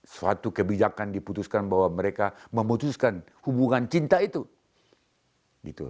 suatu kebijakan diputuskan bahwa mereka memutuskan hubungan cinta itu